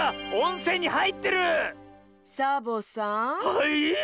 はい？